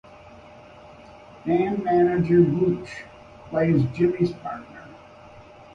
Band manager "Gooch" plays Jimmy's partner.